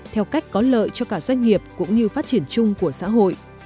theo cách có lợi cho cả doanh nghiệp cũng như phát triển chung của xã hội